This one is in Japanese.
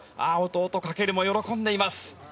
弟・翔も喜んでいます。